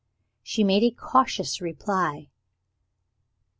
She made a cautious reply.